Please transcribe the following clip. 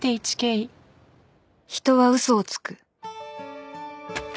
［人は嘘をつく］